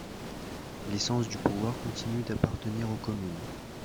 L’essence du pouvoir continue d’appartenir aux communes.